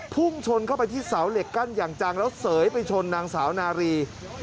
พุ่งชนเข้าไปที่เสาเหล็กกั้นอย่างจังแล้วเสยไปชนนางสาวนารี